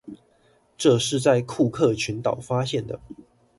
這是在庫克群島發現的。